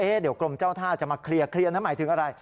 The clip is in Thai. เดี๋ยวกรมเจ้าท่าจะมาเคลียร์นะหมายถึงอะไร